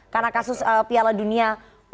karena kasus piala dunia